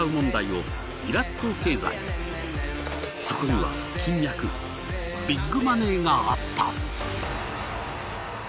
そこには金脈ビッグマネーがあった。